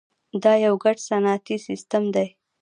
دا یو ګډ صنعتي سیستم دی.